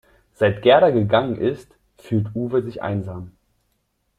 Seit Gerda gegangen ist, fühlt Uwe sich einsam.